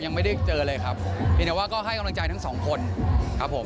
ยังไม่ได้เจอเลยครับเพียงแต่ว่าก็ให้กำลังใจทั้งสองคนครับผม